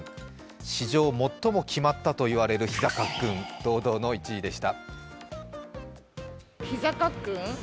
史上最も決まったといわれる膝カックン、堂々の１位でした。